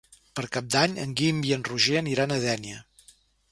Per Cap d'Any en Guim i en Roger aniran a Dénia.